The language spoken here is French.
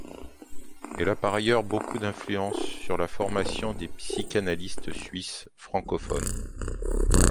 Elle a par ailleurs beaucoup d'influence sur la formation des psychanalystes suisses francophone.